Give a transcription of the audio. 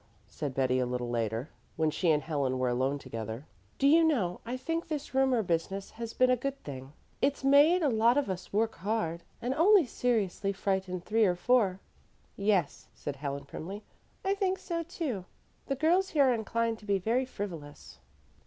said Betty a little later, when she and Helen were alone together. "Do you know, I think this rumor business has been a good thing. It's made a lot of us work hard, and only seriously frightened three or four." "Yes," said Helen primly. "I think so too. The girls here are inclined to be very frivolous."